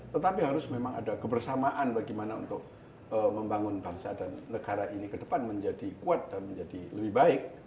tetapi harus memang ada kebersamaan bagaimana untuk membangun bangsa dan negara ini ke depan menjadi kuat dan menjadi lebih baik